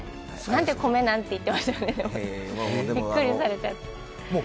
なんで米？なんて言ってましたよねびっくりされちゃって。